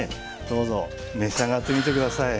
どうぞ召し上がってみて下さい。